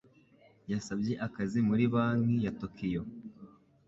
Yasabye akazi muri Banki ya Tokiyo.